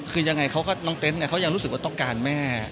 คือยังไงน้องเต้นเนี่ยเขายังรู้สึกว่าต้องการแม่